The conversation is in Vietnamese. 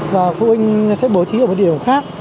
và phụ huynh sẽ bố trí ở một địa điểm khác